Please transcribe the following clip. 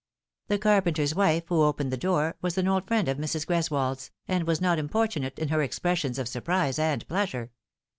The carpenter's wife, who opened the door, was an old friend of Mrs. Greswold's, and was not importunate in her expressions of surprise and pleasure.